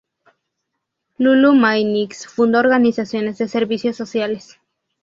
Lulu Mae Nix, fundó organizaciones de servicios sociales.